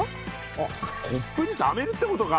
あっコップにためるってことか。